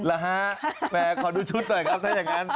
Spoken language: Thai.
แม่ขอดูชุดหน่อยครับถ้าอย่างนั้น